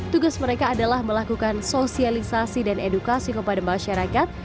tugas mereka adalah melakukan sosialisasi dan edukasi kepada masyarakat